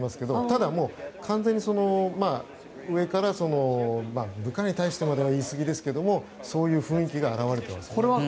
ただ、完全に上から部下に対してまでは言いすぎですがそういう雰囲気が表れています。